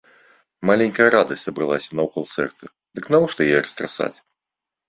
Маленькая радасць сабралася наўкол сэрца, дык навошта яе растрасаць?